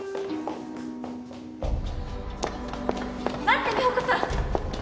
待って美保子さん！